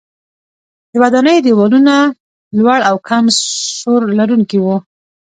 د ودانیو دیوالونه لوړ او کم سور لرونکي وو.